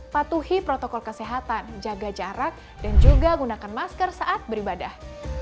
patuhi protokol kesehatan jaga jarak dan juga gunakan masker saat beribadah